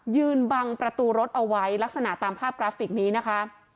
ยืนบังประตูรถเอาไว้ลักษณะตามภาพกราฟิกนี้นะคะ